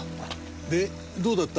でどうだった？